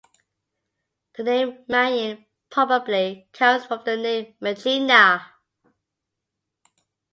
The name Mayen probably comes from the name Megina.